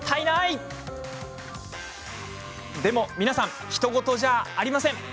でも、皆さんひと事じゃありませんよ。